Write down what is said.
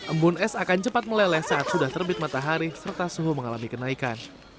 embun es akan cepat meleleh saat sudah terbit matahari serta suhu mengalami kenaikan